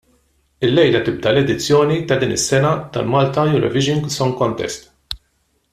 Ilejla tibda l-edizzjoni ta' din is-sena tal-Malta Eurovision Song Contest.